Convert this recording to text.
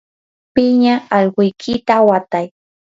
piña allquykita watay.